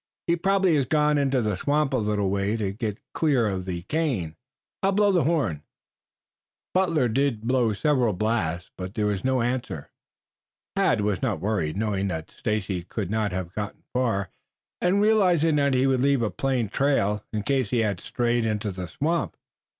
He probably has gone into the swamp a little way to get out of the cane. I'll blow the horn." Butler did blow several blasts, but there was no answer. Tad was not worried, knowing that Stacy could not have gone far and realizing that he would leave a plain trail in case he had strayed into the swamp.